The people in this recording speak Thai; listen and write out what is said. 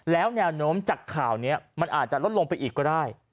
แล้วแนวโน้มจากข่าวนี้มันอาจจะลดลงไปอีกก็ได้